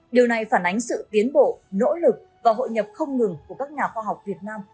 điều này phản ánh sự tiến bộ nỗ lực và hội nhập không ngừng của các nhà khoa học việt nam